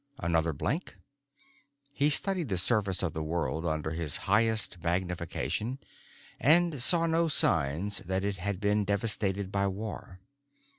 Another blank? He studied the surface of the world under his highest magnification and saw no signs that it had been devastated by war.